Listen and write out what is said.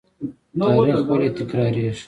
تاریخ ولې تکراریږي؟